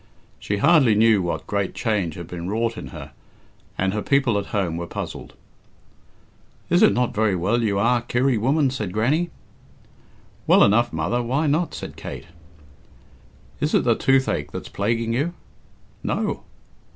She hardly knew what great change had been wrought in her, and her people at home were puzzled. "Is it not very well you are, Kirry, woman?" said Grannie. "Well enough, mother; why not?" said Kate. "Is it the toothache that's plaguing you?" "No."